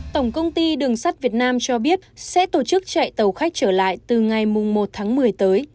tổng công ty đường sắt việt nam cho biết sẽ tổ chức chạy tàu khách trở lại từ ngày một tháng một mươi tới